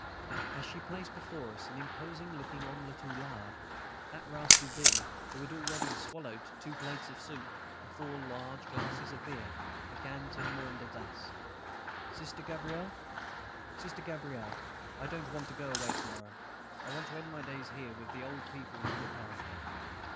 As she placed before us an imposing looking omelette au lard, that rascal B., who had already swallowed two plates of soup and four large glasses of beer, began to maunder thus: "Sister Gabrielle, ... Sister Gabrielle, I don't want to go away to morrow. I want to end my days here with the old people you look after.